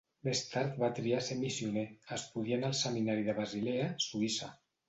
Més tard va triar ser missioner, estudiant al seminari de Basilea, Suïssa.